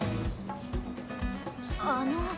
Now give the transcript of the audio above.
あの。